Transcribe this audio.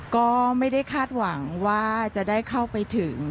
ก็ไม่ได้คาดหวังว่าจะได้เข้าไปถึง